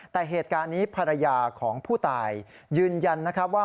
แต่เหตุการณ์นี้ภรรยาของผู้ตายยืนยันนะครับว่า